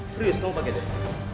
freeze kamu pakai deh